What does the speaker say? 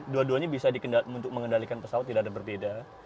dua duanya bisa untuk mengendalikan pesawat tidak ada berbeda